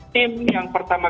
tim yang pertama